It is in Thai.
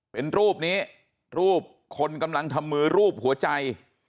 เป็นรูปนี้รูปคนกำลังทำมือรูปหัวใจ